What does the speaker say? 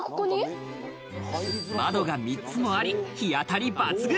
窓が三つもあり、日当たり抜群。